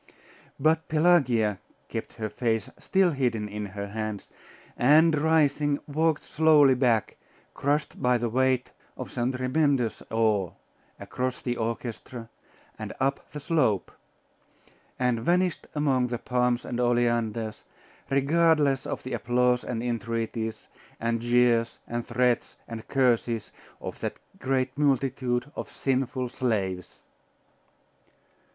But Pelagia kept her face still hidden in her hands, and rising, walked slowly back, crushed by the weight of some tremendous awe, across the orchestra, and up the slope; and vanished among the palms and oleanders, regardless of the applause and entreaties, and jeers, and threats, and curses, of that great multitude of sinful slaves.